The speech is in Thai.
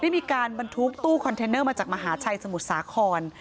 มีการบรรทุกตู้คอนเทนเนอร์มาจากมหาชัยสมุทรสาคร